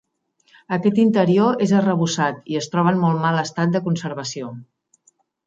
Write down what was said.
Aquest interior és arrebossat i es troba en molt mal estat de conservació.